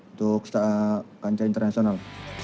untuk kursi kancah internasional